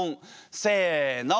せの。